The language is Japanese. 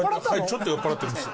ちょっと酔っ払ってるんです。